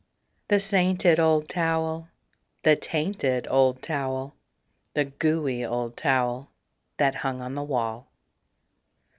The sainted old towel, the tainted old towel, The gooey old towel that hung on the wall.